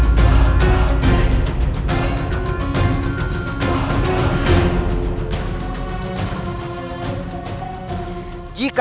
bagaimana cara anda mengikatkan